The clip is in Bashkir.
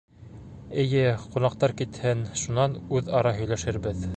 — Эйе, ҡунаҡтар китһен, шунан үҙ-ара һөйләшербеҙ.